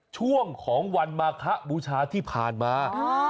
ช่วงของวันมาคะบูชาที่ผ่านมา